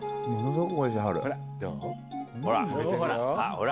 ほら！